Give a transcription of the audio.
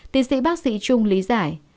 tiến sĩ bác sĩ trung lý giải